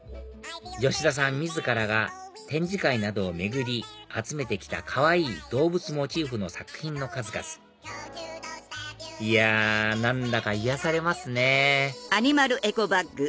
吉田さん自らが展示会などを巡り集めて来たかわいい動物モチーフの作品の数々いや何だか癒やされますねピピっと鳴りますんで。